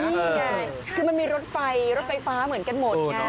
นี่ไงคือมันมีรถไฟรถไฟฟ้าเหมือนกันหมดไง